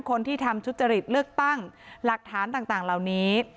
คนที่ทำทุจริตเลือกตั้งหลักฐานต่างเหล่านี้